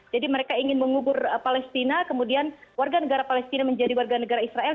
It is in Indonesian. jadi mereka ingin mengubur palestina kemudian warga negara palestina menjadi warga negara israel